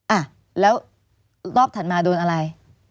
อ่ะแล้วรอบถัดมาโดนอะไร